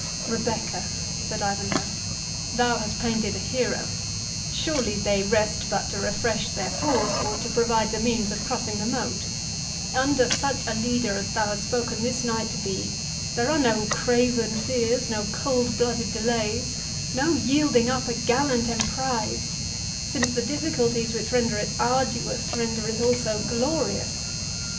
"Rebecca," said Ivanhoe, "thou hast painted a hero; surely they rest but to refresh their force, or to provide the means of crossing the moat—Under such a leader as thou hast spoken this knight to be, there are no craven fears, no cold blooded delays, no yielding up a gallant emprize; since the difficulties which render it arduous render it also glorious.